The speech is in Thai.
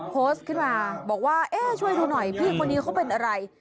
โพสต์ขึ้นมาบอกว่าเอ๊ะช่วยดูหน่อยพี่คนนี้เขาเป็นอะไร